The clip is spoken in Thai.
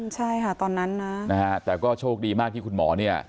ใช่ค่ะตอนนั้นนะนะฮะแต่ก็โชคดีมากที่คุณหมอเนี่ย